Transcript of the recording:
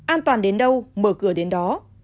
an toàn đến đâu mở cửa đến đó